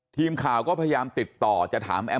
ทีมข่าวก็พยายามติดต่อจะถามแอม